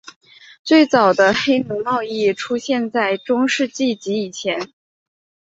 最早的黑奴贸易出现在中世纪及之前。